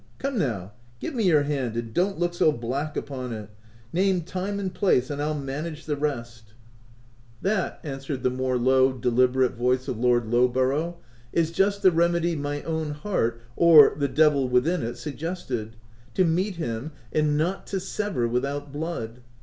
— Come now ! give me your hand, and don't look so black upon it. Name time and place, and I'll manage the rest." 14 THE TENANT " That/' answered the more low, deliberate voice of Lord Lowborough, H is just the re medy my own heart — or the devil within it, suggested— to meet him, and not to sever with out Hood.